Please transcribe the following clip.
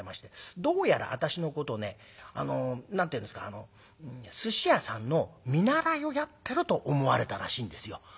どうやら私のことね何て言うんですかすし屋さんの見習いをやってると思われたらしいんですよ。